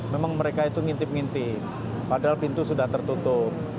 memang mereka itu ngintip ngintip padahal pintu sudah tertutup